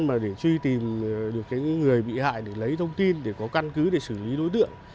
mà để truy tìm được những người bị hại để lấy thông tin để có căn cứ để xử lý đối tượng